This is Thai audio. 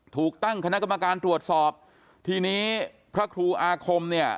ถูกตั้งคณะกรรมการตรวจสอบทีนี้พระครูอาคมเนี่ย